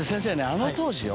あの当時よ？